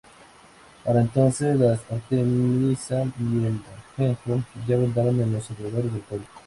Para entonces la artemisa y el ajenjo ya abundaban en los alrededores del pueblo.